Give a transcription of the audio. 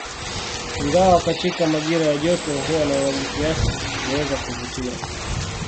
Ingawa katika majira ya joto huwa na maji kiasi, huweza kuvutia.